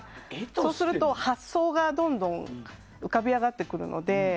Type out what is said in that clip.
そうすると発想がどんどん浮かび上がってくるので。